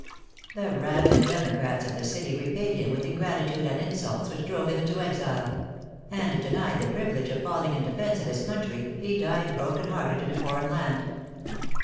The rabid democrats of the city repaid him with ingrati tude and insults, which drove him into exile ; and, denied the privilege of falling in defence of his coun try, he died broken hearted in a foreign land."